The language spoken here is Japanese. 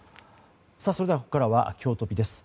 それでは、ここからはきょうトピです。